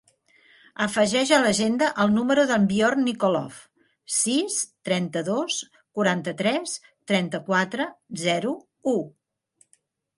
Afegeix a l'agenda el número del Bjorn Nikolov: sis, trenta-dos, quaranta-tres, trenta-quatre, zero, u.